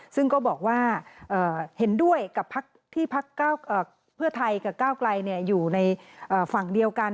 ซึ่งก็บอกว่าเห็นด้วยกับพักที่พักเพื่อไทยกับก้าวไกลอยู่ในฝั่งเดียวกัน